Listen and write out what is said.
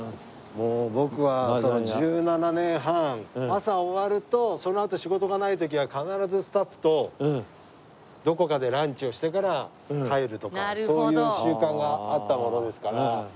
もう僕は１７年半朝終わるとそのあと仕事がない時は必ずスタッフとどこかでランチをしてから帰るとかそういう習慣があったものですから。